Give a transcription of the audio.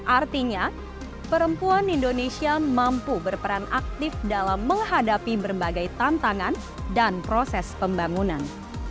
artinya perempuan indonesia mampu berperan aktif dalam menghadapi berbagai tantangan dan proses pembangunan